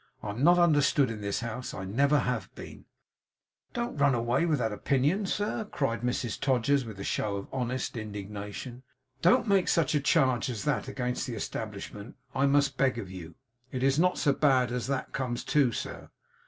I'm not understood in this house. I never have been.' 'Don't run away with that opinion, sir!' cried Mrs Todgers, with a show of honest indignation. 'Don't make such a charge as that against the establishment, I must beg of you. It is not so bad as that comes to, sir.